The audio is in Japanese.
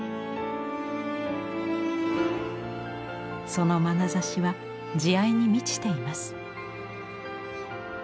そのまなざしは慈愛に満ちています。